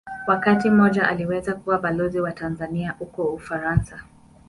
Wakati mmoja aliweza kuwa Balozi wa Tanzania huko Ufaransa.